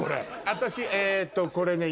私えっとこれね。